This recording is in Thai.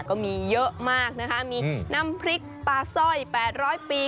ก็มีเยอะมากนะคะมีน้ำพริกปลาสร้อย๘๐๐ปี